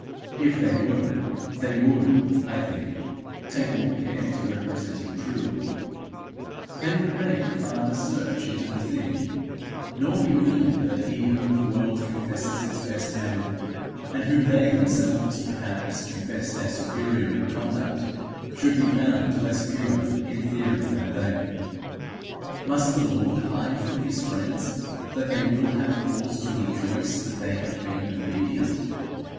If they were, they would, I think, take more care to represent him truly; they would make farther search into the thing, nor be willing that he whom the world confesses its best man, and whom they themselves, perhaps, confess their superior in conduct, should be found less pure in theory than they. Must the Lord hide from his friends that they will have cause to rejoice that they have been obedient?